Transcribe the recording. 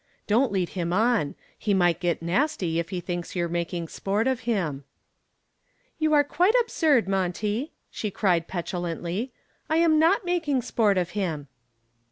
"Don't lead him on. He might get nasty if he thinks you're making sport of him." "You are quite absurd, Monty," she cried, petulantly. "I am not making sport of him."